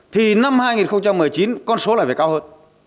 thì năm hai nghìn một mươi chín con số lại phải cao hơn